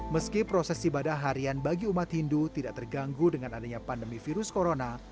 meski proses ibadah harian bagi umat hindu tidak terganggu dengan adanya pandemi virus corona